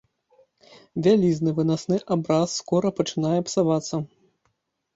Вялізны вынасны абраз скора пачынае псавацца.